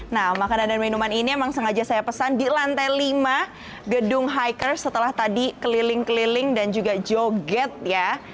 nah makanan dan minuman ini emang sengaja saya pesan di lantai lima gedung hikers setelah tadi keliling keliling dan juga joget ya